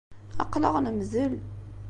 Aql-aɣ nemdel.